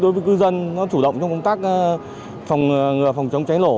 đối với cư dân nó chủ động trong công tác phòng chống cháy nổ